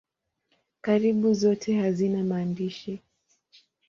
Karibu zote hazina maandishi.